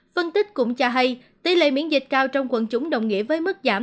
phân tích cũng cho hay tỷ lệ miễn dịch cao trong quận chủng đồng nghĩa với mức giảm